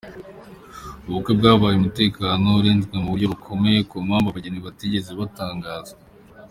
Ubukwe bwabaye umutekano urinzwe mu buryo bukomeye ku mpamvu abageni batigeze batangaza.